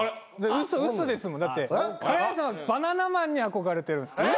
嘘ですもんだって賀屋さんはバナナマンに憧れてるんですから。